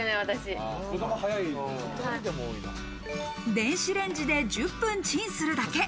電子レンジで１０分チンするだけ。